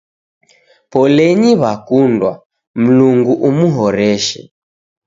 Polenyi w'akundwa, Mlungu umuhoreshe.